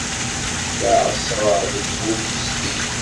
La εeṣreɣ de ul meskin.